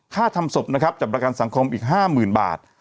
ค่าทำศพนะครับจำประกันสังคมอีกห้ามืนบาท